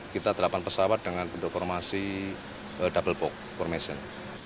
kita delapan pesawat dengan bentuk formasi double box formation